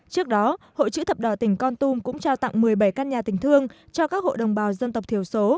trước đó hội chữ thập đỏ tỉnh con tum cũng trao tặng một mươi bảy căn nhà tình thương cho các hộ đồng bào dân tộc thiểu số